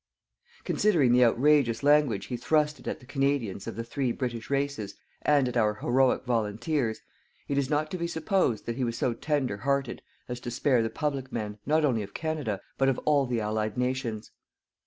Considering the outrageous language he thrusted at the Canadians of the three British races and at our heroic volunteers, it is not to be supposed that he was so tender hearted as to spare the public men, not only of Canada, but of all the Allied Nations.